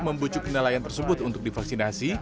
membucuk kenalayan tersebut untuk divaksinasi